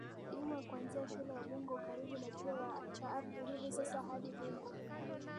Dimwe kuanzia shule ya Bungo karibu na chuo cha ardhi hivi sasa hadi Bungo